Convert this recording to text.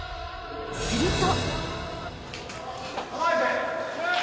［すると］